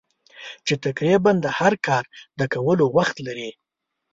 چې تقریباً د هر کار د کولو وخت لرې.